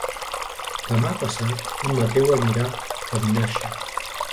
Demà passat en Mateu anirà a Vinaixa.